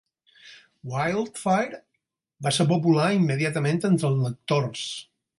Wildfire va ser popular immediatament entre els lectors.